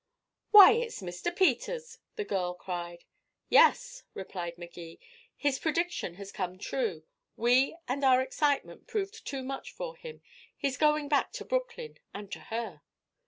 "Why, it's Mr. Peters!" the girl cried. "Yes," replied Magee. "His prediction has come true. We and our excitement proved too much for him. He's going back to Brooklyn and to her."